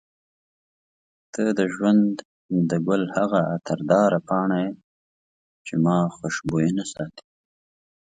ته د ژوند د ګل هغه عطرداره پاڼه یې چې ما خوشبوینه ساتي.